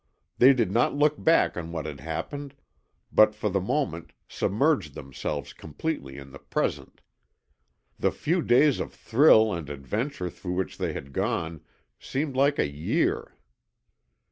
They did not look back on what had happened, but for the moment submerged themselves completely in the present. The few days of thrill and adventure through which they had gone seemed like a year.